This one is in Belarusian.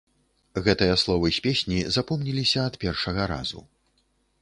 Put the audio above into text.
Гэтыя словы з песні запомніліся ад першага разу.